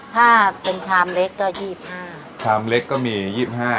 ถ้าเป็นชามเล็กก็ยี่สิบห้าชามเล็กก็มียี่สิบห้า